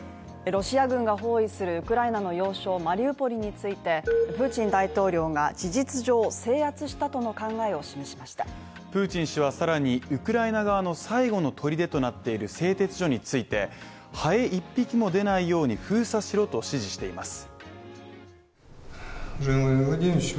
ロシア軍が包囲するウクライナの要衝マリウポリについてプーチン大統領が事実上制圧したとの考えを示しましたプーチン氏はさらに、ウクライナ側の最後の砦となっている製鉄所について、ハエ１匹も出ないように封鎖しろと指示しています。